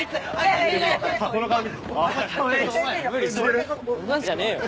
そんなんじゃねえよ。